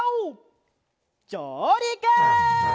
じょうりく！